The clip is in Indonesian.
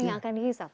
jangan anda takut